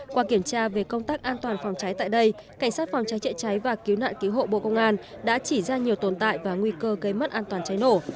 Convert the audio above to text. qua kiểm tra về công tác an toàn phòng cháy tại đây cảnh sát phòng cháy chữa cháy và cứu nạn cứu hộ bộ công an đã chỉ ra nhiều tồn tại và nguy cơ gây mất an toàn cháy nổ